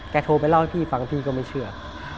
โทรไปเล่าให้พี่ฟังพี่ก็ไม่เชื่อ